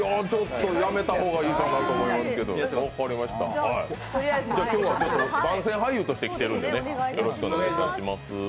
やめた方がいいかなと思いますけど、じゃあ今日は番宣俳優として来ているので、よろしくお願いいたします。